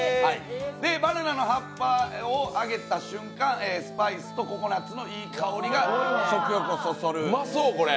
バナナの葉っぱを開けた瞬間、スパイスとココナツのいい香りが食欲をそそる。